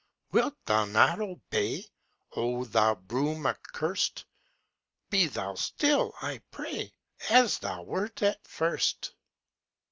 Wilt thou not obey, Oh, thou broom accurs'd? Be thou still I pray, As thou wert at first!